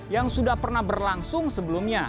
yang sudah pernah berlangsung sebelumnya